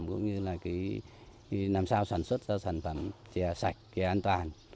cũng như là làm sao sản xuất sản phẩm trẻ sạch trẻ an toàn